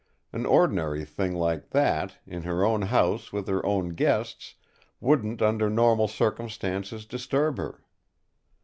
An ordinary thing like that, in her own house with her own guests, wouldn't under normal circumstances disturb her!"